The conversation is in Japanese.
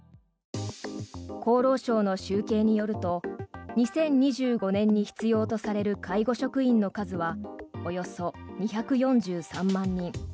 厚労省の集計によると２０２５年に必要とされる介護職員の数はおよそ２４３万人。